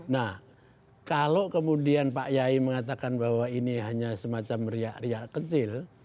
nah kalau kemudian pak yai mengatakan bahwa ini hanya semacam riak riak kecil